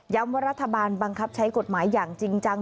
ว่ารัฐบาลบังคับใช้กฎหมายอย่างจริงจัง